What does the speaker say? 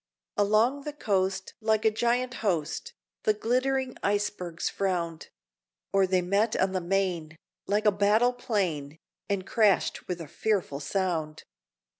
Along the coast, like a giant host, The glittering icebergs frowned, Or they met on the main, like a battle plain, And crashed with a fearful sound!